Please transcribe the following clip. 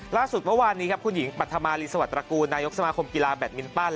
ล่าสุดเมื่อวานนี้ครับคุณหญิงปัธมารีสวัสตระกูลนายกสมาคมกีฬาแบตมินตัน